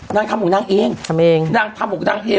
นางทำของนางเองทำเองนางทำของนางเอง